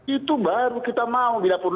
itu baru kita mau bina